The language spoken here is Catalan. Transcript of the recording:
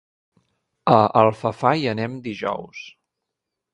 A Alfafar hi anem dijous.